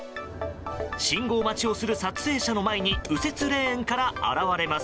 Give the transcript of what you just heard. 信号待ちをする撮影者の前に右折レーンから現れます。